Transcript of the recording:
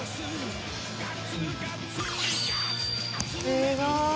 すごい。